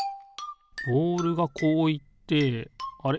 ボールがこういってあれ？